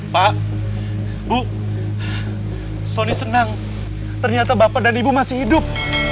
pak bu soni senang ternyata bapak dan ibu masih hidup